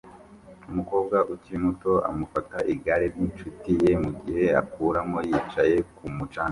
Umukobwa ukiri muto amufata igare ryinshuti ye mugihe akuramo yicaye kumu canga